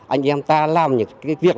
anh em ta làm những cái việc